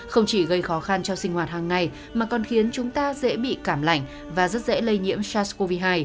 không chỉ gây khó khăn cho sinh hoạt hàng ngày mà còn khiến chúng ta dễ bị cảm lạnh và rất dễ lây nhiễm sars cov hai